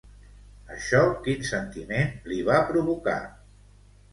Això quin sentiment li va provocar?